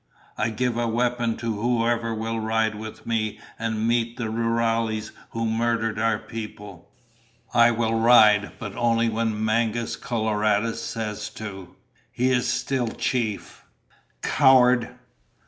"I give a weapon to whoever will ride with me and meet the rurales who murdered our people." "I will ride, but only when Mangus Coloradus says to. He is still chief." "Coward!"